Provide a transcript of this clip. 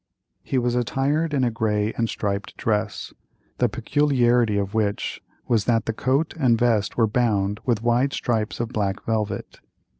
He was attired in a grey and striped dress, the peculiarity of which was that the coat and vest were bound with wide stripes of black velvet.